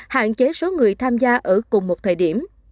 hạn chế số người tham gia ở cùng một thời điểm